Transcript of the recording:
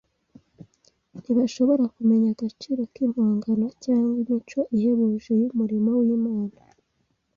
ntibashobora kumenya agaciro k’impongano cyangwa imico ihebuje y’umurimo w’Imana